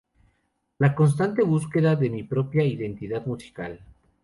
La constante búsqueda de mi propia identidad musical.